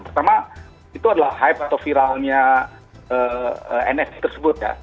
pertama itu adalah hype atau viralnya nft tersebut ya